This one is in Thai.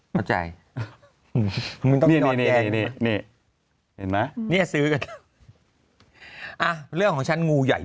เข้าใจ